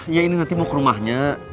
iya ini nanti mau ke rumahnya